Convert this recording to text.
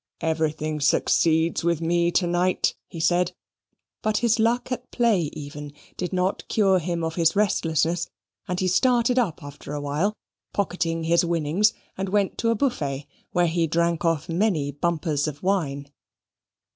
"Everything succeeds with me to night," he said. But his luck at play even did not cure him of his restlessness, and he started up after awhile, pocketing his winnings, and went to a buffet, where he drank off many bumpers of wine.